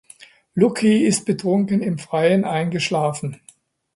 Lucky ist betrunken im Freien eingeschlafen.